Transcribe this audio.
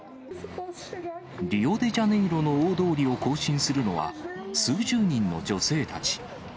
リオデジャネイロの大通りを行進するのは、数十人の女性たち。